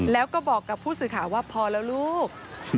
แล้วก็บอกกับผู้สื่อข่าวว่าพอแล้วลูก